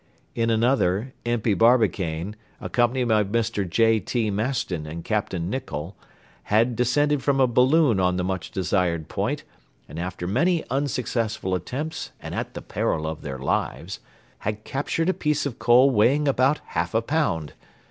In another, Impey Barbicane, accompanied by Mr. J.T. Maston and Capt. Nicholl, had descended from a balloon on the much desired point, and after many unsuccessful attempts and at the peril of their lives, had captured a piece of coal weighing about half a pound.